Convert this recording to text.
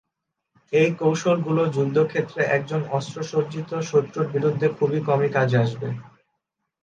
এই কৌশলগুলো যুদ্ধক্ষেত্রে একজন অস্ত্রসজ্জিত শত্রুর বিরুদ্ধে খুব কমই কাজে আসবে।